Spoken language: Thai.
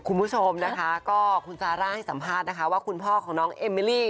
คุณผู้ชมนะคะก็คุณซาร่าให้สัมภาษณ์นะคะว่าคุณพ่อของน้องเอมมิลี่